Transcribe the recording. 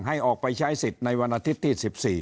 ให้ออกไปใช้สิทธิ์ในวันอาทิตย์ที่๑๔